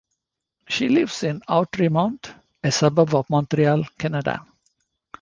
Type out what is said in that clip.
She lives in Outremont, a suburb of Montreal, Canada.